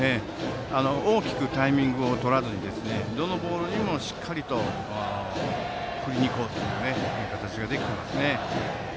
大きくタイミングをとらずにどのボールもしっかりと振りに行こうとしています。